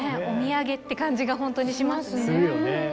お土産って感じがほんとにしますね。